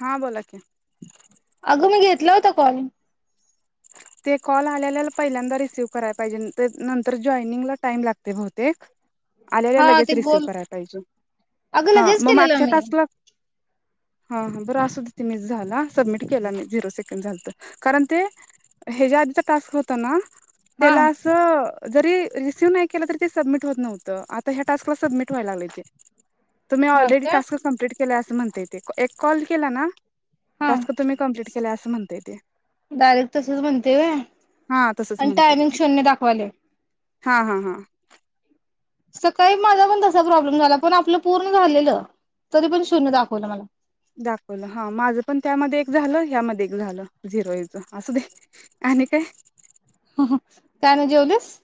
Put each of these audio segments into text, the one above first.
हा बोला की अगं मी घेतला होता कॉल. ते कॉल आल्या आल्याला पहिल्यांदा रिसिव्ह कराय पाहिजे, ते नंतर जॉईनिंगला टाईम लागतंय बहुतेक. आल्या आल्या हा लगेच ते रिसिव्ह गोल कराय पाहिजे. अगं हं लगेच मग केलेलं मागच्या मी टास्कला हां बरं असूदे ते मी झाला. सबमिट केला मी झिरो से कंद झालतं. कारण ते हेच्या आधीचा टास्क होता ना हा तेला असं जरी रिसिव्ह नाही केलं, तरी ते सबमिट होत नव्हतं. आता ह्या टास्कला सबमिट व्हाय लागलंय ते. तुम्ही हा ऑलरेडी का टास्क कम्प्लीट केलाय असं म्हणतंय ते. एक कॉल केला ना हा टास्क तुम्ही कंप्लीट केलाय असं म्हणतंय ते. च म्हणतंय व्हय हा तसंच आणि म्हणते टायमिंग शून्य दाखवालंय. हा हा हा. सकाळी माझापण तसा प्रॉब्लेम झाला, पण आपलं पूर्ण झालेलं. तरीपण शून्य दाखवलं मला. दाखवलं हं माझंपण त्यामध्ये एक झालं, यामध्ये एक झालं झिरो हेचं. असुदे आणि काय? काय नाय जेवलीस?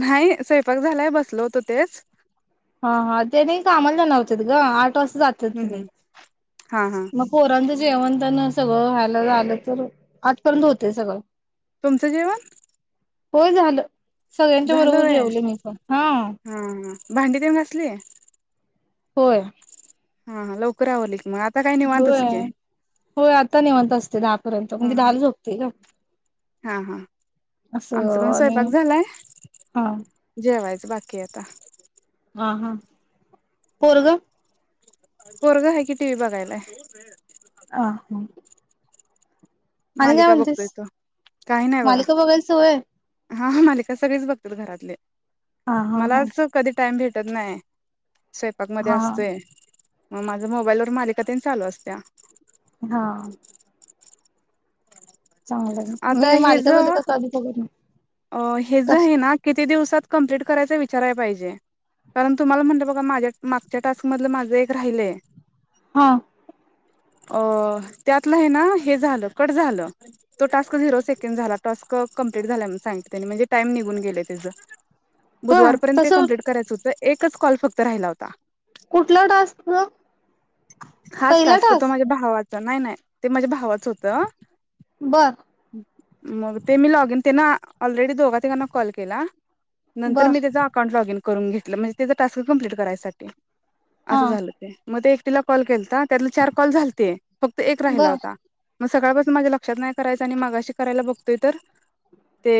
नाही. स्वयंपाक झालाय बसलो होतो तेच हा हा त्यानी कामाला जाणार होतीत गं आज कस जातात हम् तेनी हम् हा हा मग पोरांच जेवण त्यानं सगळं व्हायला झालं तर आठपर्यंत होतंय सगळं तुमचं जेवण? होय झालं. सगळ्यांच्या झालं बरोबर व्हय जेवले मी पण. हा. भांडी त्यांनी घासलीय? होय. हा हा, लवकर आवरली की मग आज आता काय निवांतच होय की. होय आता निवांत असतेय दहा र्यंत हा म्हणजे दहाला झोपतेय गं. हा हा, आमचा पण आणि स्वयंपाक झालाय हा जेवायचं बाकी आता. हां हां पोरग पोरग हाय की टीवी बघायलाय हा हा आणि काय मालिका म्हणतेस? बघतोय तो काही नाही बघा मालिका बघायल सवय हा हा मालिका सगळीच बघतात घरातले. हा हा मला हा अस कधी टाइम भेटत नाही. स्वंपाक मध्ये हा असतोय. मग माझ मोबाईल वर मालिका त्यांनी चालू असत्या हा. चांगलय. आता मी मालिका [unintelligible] अ ह्याज कस हे ना किती दि दिवसात कंप्लीट करायच विचारया पाहिजे कारण तू मला म्हणलं बघ माझ्या मागच्या टास्क मधलं माझं एक राहिलंय हा. अ त्यातल हे ना हे झालं कट झालं तो टास्क झिरो सेकंड झाला टास्क कंप्लीट झालाय सांगते न म्हणजे टाइम निघून गेलंय त्याचं होय बुधवारपर्यंत तस ते कंप्लीट करायच होत एकच कॉल फक्त राहिला होता. कुठला टास्क म, पहिला टास्क नाय नाय ते माझ्या भावाच होत बघ मग ते मी लगेन तेना ऑलरेडी दोघा तघांना कॉल केला. नंतर बर मी त्याचा अकाउंटॉग इन कर. ून घेत म्हणजे त्या टास्क कम्प्लीट करायसाठी. हा असं झालं ते मग ते एकटीला कॉल केल ना त्यातला चार कॉल झालते. फक्त एक राहिला बर होता. मग सकाळपासून माझ्या लक्षात नाही करायचं आणि मागाशी करायला बघतोय तर. ते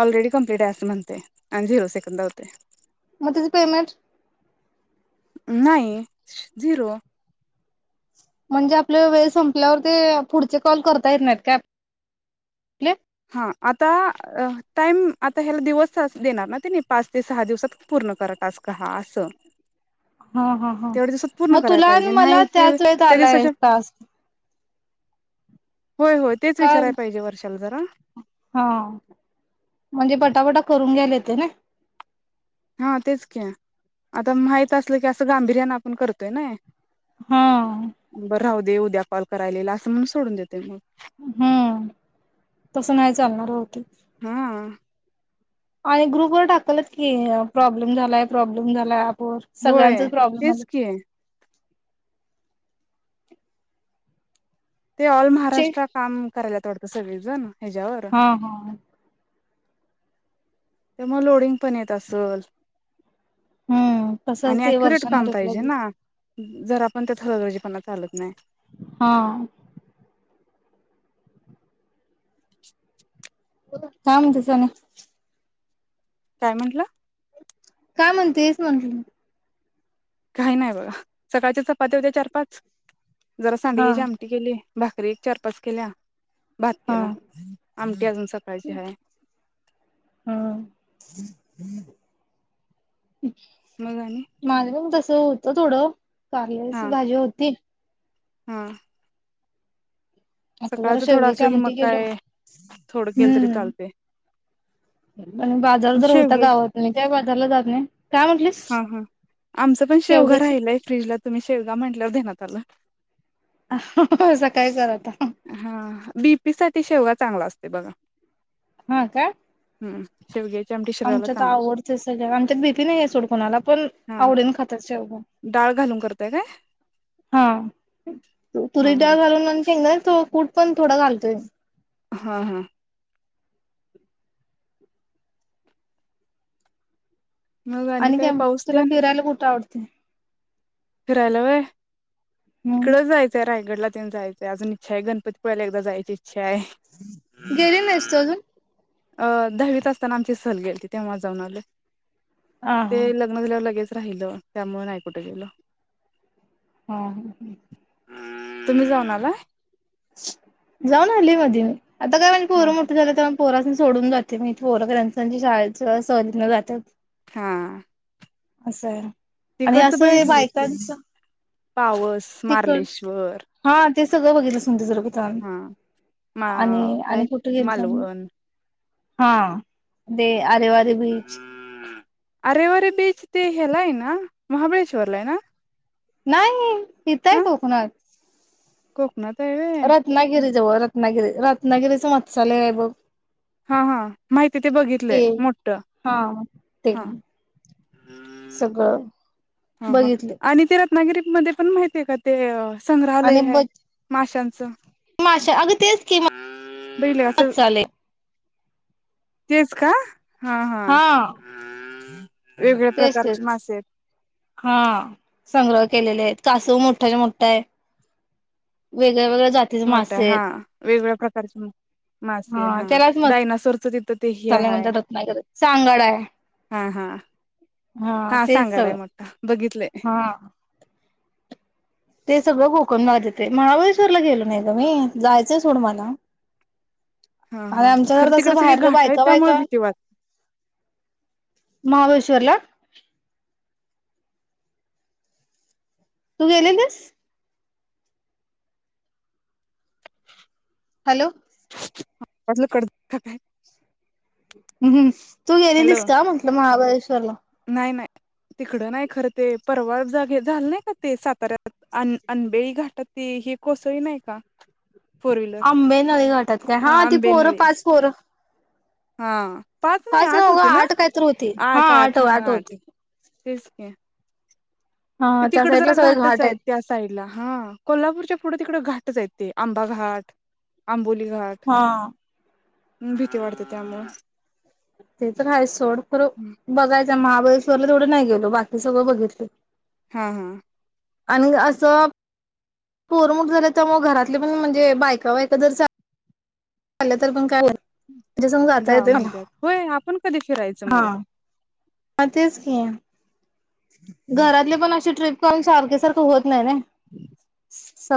ऑलरेडी कंप्लट आहे असं म्हणते आणि झिरो सेकंद होते. मग त्याची पेमेंट. नाहीईन झिरो म्हणजे आपल्या वेळ संपल्यावर ते पुढचे कॉल करता येत नाहीत का आप हा आता टाइम आता ह्याला दिवस देणार ना ते नाही पाच ते सहा दिवसात पूर्ण क ट हा अस हा हा हा मग तुला पाहिजे मला नाही ते त्याच वेळेत त्या आलाय दिवसाच्या तास होय होय तेचाराय पाहिजे वर्ष चल जरा हा. म्हणजे पटापटा करून ग्याले ते ना. हा तेच क्या आता माहित असलं की अस गांभीर्यान आपण करतोय ना हा. बरं राहू दे उद्या कॉल करायलेला असं म्हणून सोडून देते मग हम्म. तस नाही चालणार होती हा आणि ग्रुपवर टाकल की प्रॉब्लेम झालाय प्रॉब्लेम झाला होर होय सगळ्यांचा प्रॉब्लेम आला. तेच की ते ऑल चे महाराष्ट्र काम करायला ोड त सग वज ना हा हा. त्या मग लोडिंग पण येत असल. हम्म तसच ते वर्षाने रकलं. जर आपण त्याथरळगर्जीपणा चालत नाही हा. काम तस ना. काय म्हंटलं. काय म्हणते हेच म्हणत म. काही नाही बघा सकाळच्या चपाती होत्या चार पाच. जरा हा सांडग्याची आमटी केली भाकरी एक चार पाच केल्या. बात केला. अम हम. हम्म मग आणि माझं पण तसं होत थोडं. हा कारल्याची भाजी होती. हा. आता जरा सकाळच थोडं शेवग्याची असलं की मग. आमटी केलो काय थोडं केलं तरी चालते. म्हण बाजार जर होता शेवगे गावात नाही त्या बाजारला जात नाही काय म्हण हा हा आमच पण शेवघा राहिलाय फ्रीजला तुम्ही शेवगा म्हंटल्यावर ध्याणात आल. सकाळी करा आत हा बीपी साठी शेवगा चांगला असतोय बघा हा का? हू शेवग्या आमच्यात आवडतय सगळ्या आमच्यात बीपी नाही आहे सोड कोणाला पण हा आवडीन खाता शेवगा डाळ घालून करताय काय हा तू हा तुरीच हा डाळ घालून आणि शेंगदानाच तो कूट पण थोडा घालतोय. हा, हा मग आणि काय म पाऊस तुला तेन फिरायला कुठं आवड? त फिरायला व्हय हम्म इकड जायचंय रायगडला तेन जायायच अजून इच्छा हाय गणपती पुळेला एकदा जायाची इ गेली नाहीस तू आजून अ दहावीत असताना आमची सहल गेलती तेव्हा जाऊन आलोय. हा ते हा लग्न झाल्यावर लगेच राहिलं त्यामूळ नाही कुठं गेलो हा, हा, हा तुम्ही जाऊन आलाय? जाऊन आली मधी मी आता काय माझी हा पोरं मोठी झाल्याय त्यामूळ पोरासनी सोडून जाते मी पोर [unintelligible] शाळेच सहलीतन जात्यात हा. आसं. तिकडचं बघितलय तेन पावस, तिकड मार्लेश्वर हा ते सगळं बघितलस [inaudible] थांब हा मा आणि आणि काय कुठे गेलतो आम्ही मालवण हा ते आरेवारे बीच अरेवारे बीच ते हेला हाय ना महाबळेश्वर लाय ना? नाई नाई इत हाय कोकणात को रत्नागिरी जवळ रत् रत्नागिरी रत्नागिरीचं मत्सालय बघ हा हा माहिती हाय ते बघितलंय मोठं हा ते हा. सगळं हा हा बघितले आणि तेला [unintelligible] मध्ये पण माहिती हाय का ते अं. संग्रालय आणि हाय ब माशांच माशा अगं तेच कि बेल्याच मत्स्यालय तेच का? हा हा. वेगळ्या तेच प्रकारचे तेच मासे हायत. हा अं संग्रह केलेले हायत कासव मोठाच्या मोठा हाय वेगळ्या वेगळ्या जातीचे मोठायं मासे हा आहेत वेगवेगळ्या प्र [inaudible] मासे हा त्यालाच मसाले डायनासोरच तिथं ते हे हाय म्हणतात रत्नागिरीत सांगाडा आहे हा हा हा तेच सांगाडा हाय सगळं मोठा बघितलंय. हा ते सगळं कोकण भागात येते महाबळेश्वरला गेलो नाही गं मी जायाचं सोड मला. हा हा आणि आमच्या खरं घरात तिकड असं सगळी बाहेर घाट हायत बायका त्यामुळे बायका भीती वाट महाबळेश्वरा ला तू गेले लिस हॅलो. [inaudible] हम्म्म तू गेलेलीस का म्हटलं महाबळेश्व [inaudible] नाई नाई तिकड नाई खरं ते परवा जागे झालं नाही का ते साताऱ्यात अन अनबेळी घाटात ते हे कोसळी नाही का? फोर व्हीलर आंबे नळी घाटात काय हा ती पोरं पाच पोरं. हा. पाच नाही फच ना होती आठ काहीत होती हा आठ आठ होती. तेचक. हा ते त्या तिकडं साईडला जरा सगळे घाटच घाट आहेत त्या साईडला हा कोल्हापूरच्या पुढे तिकड घाट तेच ये ते आंबा घाट आंबोली. घाट. हा. ह भीती वाढते त्यामुळे. ते तर आहेत सोड बघायच महाबळेश्वरला तेवढ नाही गेलो बाकी सगळं बघितले हा हा आणि असं पोर मोठे झाले त्यामुळे घरातल्या पण म्हणजे बायका बायका जरा झालं तर पण काय त्याच्या संग जाता जा येते मला म्हणतात होय आपण कधी फिरायचं मग अताच ये घरातले पण असे ट्र्रीप पण सारखे सारख होत नाही ना. हम्म. ह.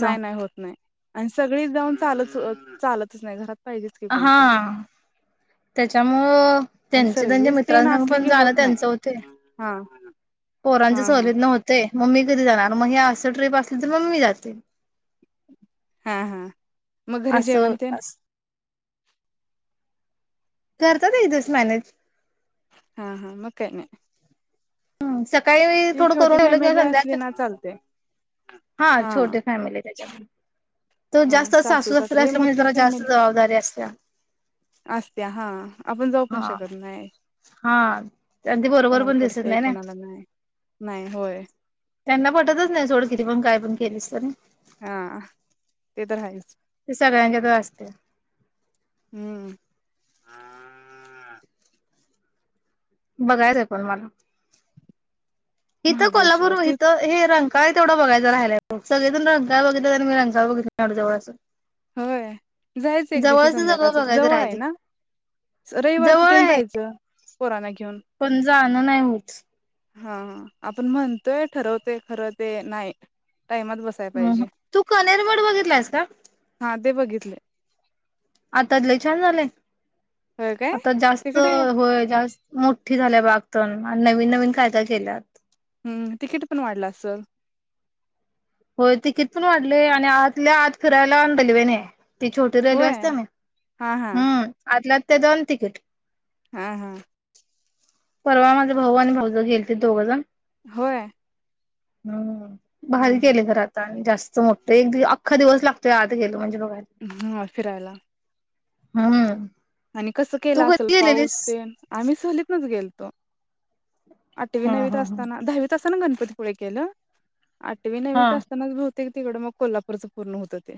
नाही नाही होत नाही आणि सगळी जाऊन चालच चालतच नाही घरात पाहिजेच की कोणतर हा. त्याच्यामुळं आणि त्यांचे त्यांच्या सर्विस तेन मित्रांस असली पण की जाण होत नाही त्यांच होते. हा पोरांचे हा हा सवलीत न होते मम्मी कधी जाणार मग ह असं ट्र्रीप असली तर मम्मी जाते. हा हा मग घरी असं जेवणते अस करतात एक दिवस मॅनेज. हा हा मकाय नाही. हम्म सक् काही ती थोडं करून छोटी ठेवलं फॅमिली किंवा संध्या. असली ना चालते हा छोटी फॅमिली त्याच्या तो हा जास्त सासू साफूसथ सासरे हे असल म्हणजे मोठी जला जास्त फॅमिली जबाबदारी असते. असत्या हा आपण जाऊ हा पण शकत नाही हा त्यां बरोबर कोणाला पण दिसत पडतंय नाही. ना कोणाला नाही नाही होय त्यांना पटतच नाही सोड किती पण काय पण के सर हा ते तर आहेच ते सगळ्यांच्यात असते हम्म बघायचं आहे पण मला. इथं कोल्हापूर महाबळेश्वर ते इथं हे रां काय तेवढ बघायच रायग सगळेणंगय बघितलं आणि म रंगा बघित जवंं. होय जायचं एक दिवशी सगळं संध्याकाळच बघायचं जवळ आहे राहिलय ना. रविवारचं जवळ ते आहे जायचं पोरांना घेऊन पण जाणं नाही होच. हा आपण म्हणतोय ठरवते खरं ते नाही. टाइमात बसाय ह पाहिजे तू कनेरमड वघितरलास का. हा ते बघितले. आताले छान झालेय. होय काय आता जास्त तिकडे होय जास्त मोठी झाल्या बागतण नवीन नवीन कायदा केल्यात हम्म तिकीट पण वाढलं असल. होय ते किथून वाढले आणि आतल्या आत फिरायला आणल वने. ती छोटी रेल्वे होय असते ना हा हा हम्म आतल्या ते दन तिकीट. हा हा. परवा माझे भाऊ आणि भाऊज गेलतील दोघं जण होय. हम हा बाहेर हा गेले घर आता आणि जास्त मो एकखा दिवस लातोय आता खेल म्हणजे बघायला हम फिरायला. हम्म आणि कसं केलं तू असेल कधी गेलेलीस पाऊस ते आम्ही सहलीतनच गेल तो. आठवी हा नवीत हा हा असताना दहावी तस ना गणपतीपुळे केलं. आठवी हा नववीत असतानाच भत प्रत्येक तिकड मग कोल्हापूरचं पूर्ण होतं ते.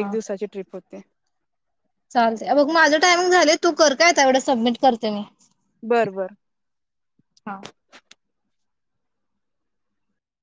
एक दिवसाची ट्रिप होती ते. चालते बग माझं टायमिंग झालं तू कर काय एवढं सबमिट करते मी बर बर. हा